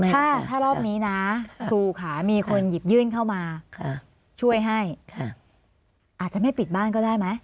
ถ้ารอบนี้นะครูค่ะมีคนหยิบยื่นเข้ามาช่วยให้อาจจะไม่ปิดบ้านก็ได้ไหม